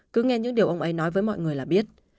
cứ nghe những điều ông ấy nói với mọi người là biết